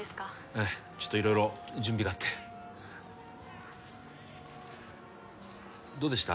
ええちょっと色々準備があってどうでした？